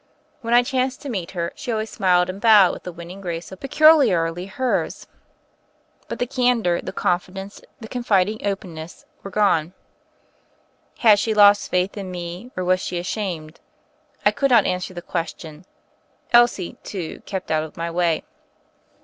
When I chanced to meet her, she always smiled and bowed with the winning grace so peculiarly hers; but the candor, the confiding openness were gone. Had she lost faith in me? or was she ashamed? I could not answer the question. Elsie, too, kept out of my way.